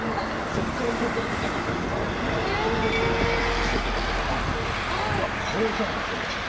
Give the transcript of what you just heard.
そっからコントが出来上がったりとかそれで「キングオブコント」決勝行けたりとかだったんで「これじゃん」って思いました。